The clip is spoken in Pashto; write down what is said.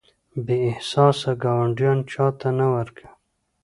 بې احساسه ګاونډیان چاته نه ورکوي.